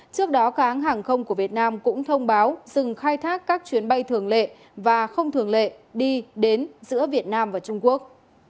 trước đó cảng hàng không của việt nam cũng thông báo dừng khai thác các chuyến bay thường lệ và không thường lệ đi đến giữa việt nam và trung quốc